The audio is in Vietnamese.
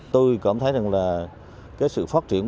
tôi cảm thấy rằng là sự phát triển